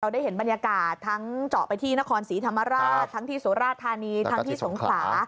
ได้เห็นบรรยากาศทั้งเจาะไปที่นครศรีธรรมราชทั้งที่สุราธานีทั้งที่สงขลา